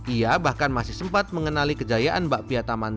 ia bahkan masih sempat mengenali kejayaan bakpia taman